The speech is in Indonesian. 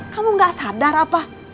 kamu gak sadar apa